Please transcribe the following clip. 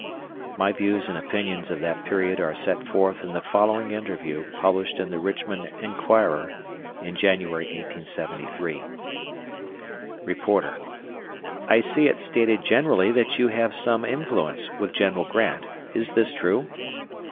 My views and opinions of that period are set forth in the following interview published in the Richmond Enquirer, in January, 1873. Reporter: "I see it stated generally that you have some influence with General Grant, is this true?"